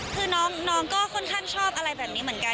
คือน้องก็ค่อนข้างชอบอะไรแบบนี้เหมือนกัน